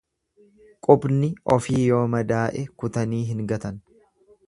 Qubni ofii yoo madaa'e kutanii hin gatan.